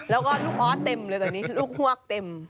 แล้วก็ลูกออสเต็มเลยตอนนี้ลูกฮวกเต็ม